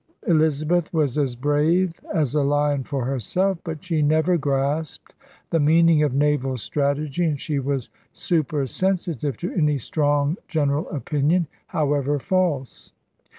Elizabeth was as brave as a lion for herself. But she never grasped the meaning of naval strategy, and she was supersen sitive to any strong general opinion, however false.